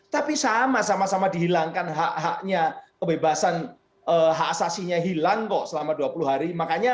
tapi sama sama dihilangkan hak haknya kebebasan hak asasinya hilang kok selama dua puluh hari